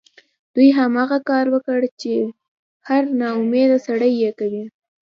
دوی هماغه کار وکړ چې هر ناامیده سړی یې کوي